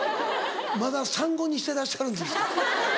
まだ「産後」にしてらっしゃるんですか？